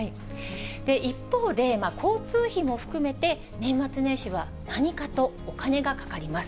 一方で、交通費も含めて、年末年始は何かとお金がかかります。